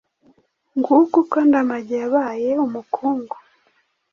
Nguko uko Ndamage yabaye umukungu.